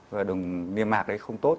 và đường niêm mạc đấy không tốt